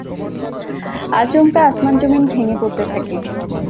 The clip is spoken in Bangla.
আচমকা আসমান-জমিন ভেঙ্গে পড়তে থাকে।